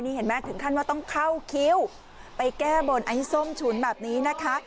เห็นไหมถึงขั้นว่าต้องเข้าคิ้วไปแก้บนไอ้ส้มฉุนแบบนี้นะคะ